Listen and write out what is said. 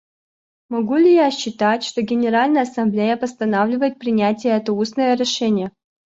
Могу ли я считать, что Генеральная Ассамблея постановляет принять это устное решение?